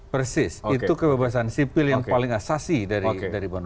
persis itu kebebasan sipil yang paling asasi dari bonus